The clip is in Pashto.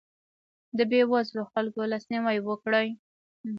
د بېوزلو خلکو لاسنیوی وکړئ.